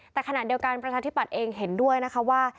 แต่ขณะเดียวกันประชาธิปัตย์เองเห็นด้วยนะคะว่า